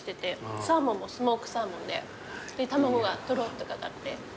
サーモンもスモークサーモンで卵がトロッと掛かって最高です。